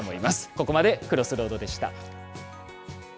ここまでＣｒｏｓｓｒｏａｄでした。